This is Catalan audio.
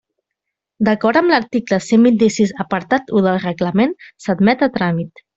D'acord amb l'article cent vint-i-sis apartat u del Reglament, s'admet a tràmit.